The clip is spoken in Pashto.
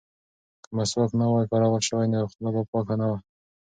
که مسواک نه وای کارول شوی نو خوله به پاکه نه وه.